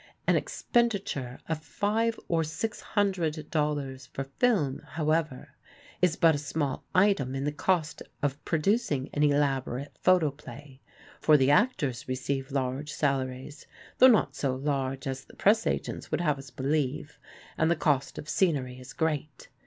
An expenditure of five or six hundred dollars for film, however, is but a small item in the cost of producing an elaborate photo play, for the actors receive large salaries though not so large as the press agents would have us believe and the cost of scenery is great.